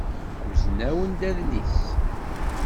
Yuzen-awen-d adlis.